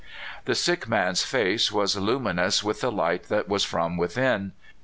The sick man's face was lu minous with the light that was from within.